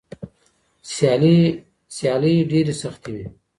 سیالۍ ډېرې سختې وي.